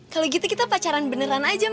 kalau gitu kita pacaran beneran aja